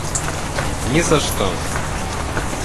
Ни за что!